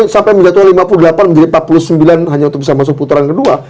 sampai menjatuhkan lima puluh delapan menjadi empat puluh sembilan hanya untuk bisa masuk putaran kedua